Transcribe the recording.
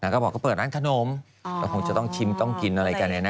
ก็บอกก็เปิดร้านขนมก็คงจะต้องชิมต้องกินอะไรกัน